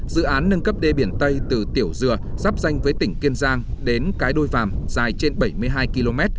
dự án nâng cấp đê biển tây từ tiểu dừa sắp danh với tỉnh kiên giang đến cái đôi vàm dài trên bảy mươi hai km